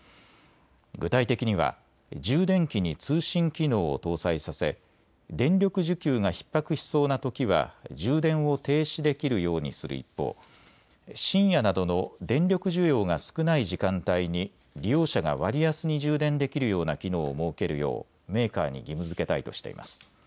具体的には充電器に通信機能を搭載させ電力需給がひっ迫しそうなときは充電を停止できるようにする一方、深夜などの電力需要が少ない時間帯に利用者が割安に充電できるような機能を設けるようメーカーに義務づけたいとしています。